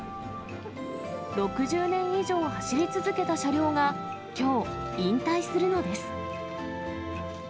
６０年以上走り続けた車両が、きょう引退するのです。